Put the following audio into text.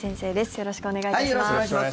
よろしくお願いします。